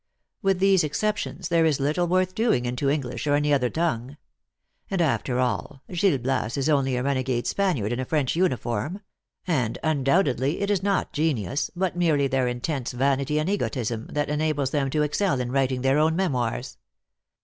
With these ex ceptions, there is little worth doing into English or any other tongue. And after all, Gil Bias is only a THE ACTRESS IN HIGH LIFE. 51 renegade Spaniard in a French uniform ; and, un doubtedly, it is not genius, but merely their intense vanity and egotism, that enables them to excel in writing their own memoirs.